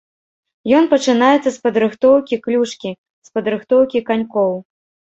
Ён пачынаецца з падрыхтоўкі клюшкі, з падрыхтоўкі канькоў.